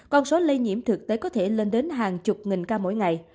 con số lây nhiễm thực tế có thể lên đến hàng chục nghìn ca mỗi ngày